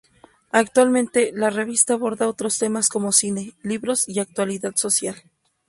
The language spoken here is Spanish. Actualmente, la revista aborda otros temas como cine, libros, y actualidad social.